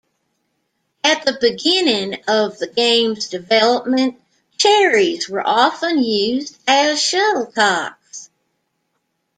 At the beginning of the game's development, cherries were often used as shuttlecocks.